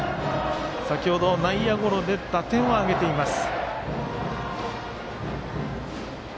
先ほど内野ゴロで打点を挙げています。